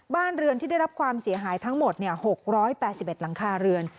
บ้านเรือนที่ได้รับความเสียหายทั้งหมดเนี้ยหกร้อยแปดสิบเอ็ดหลังคาเรือน